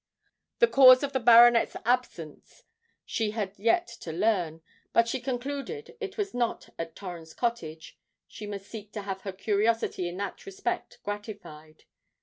The cause of the baronet's absence she had yet to learn; but she concluded that it was not at Torrens Cottage she must seek to have her curiosity in that respect gratified.